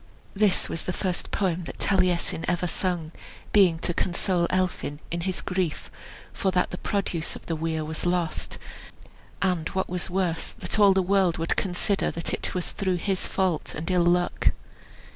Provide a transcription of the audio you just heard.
This was the first poem that Taliesin ever sung, being to console Elphin in his grief for that the produce of the weir was lost, and what was worse, that all the world would consider that it was through his fault and ill luck.